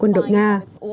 quân đội nga